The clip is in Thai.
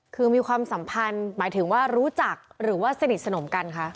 คือมีความสัมพันธ์หมายถึงว่ารู้จักหรือว่าสนิทสนมกันคะ